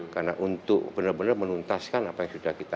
karena untuk benar benar menuntaskan apa yang sudah kita